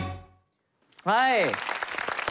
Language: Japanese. はい。